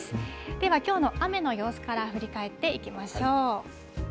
では、きょうの雨の様子から振り返っていきましょう。